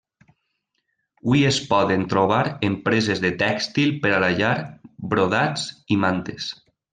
Hui es poden trobar empreses de tèxtil per a la llar, brodats i mantes.